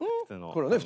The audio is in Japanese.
これはね